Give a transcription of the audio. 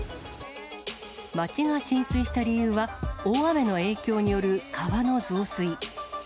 町が浸水した理由は、大雨の影響による川の増水。